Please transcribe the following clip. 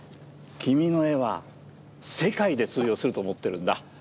君の絵は世界で通用すると思ってるんだ。